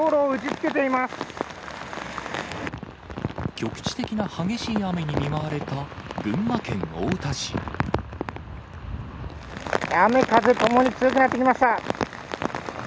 局地的な激しい雨に見舞われ雨風ともに強くなってきました。